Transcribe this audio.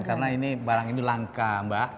karena ini barang ini langka mbak